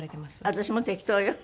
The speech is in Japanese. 私も適当よ。